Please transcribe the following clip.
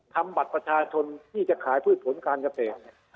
ทำบัตรประชาชนที่จะขายพืชผลการเกษตร